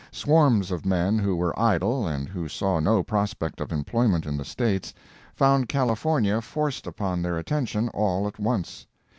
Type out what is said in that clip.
Swarms of men who were idle, and who saw no prospect of employment in the States, found California forced upon their attention all at once.